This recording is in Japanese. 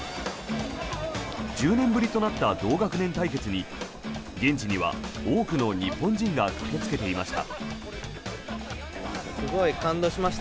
１０年ぶりとなった同学年対決に現地には多くの日本人が駆けつけていました。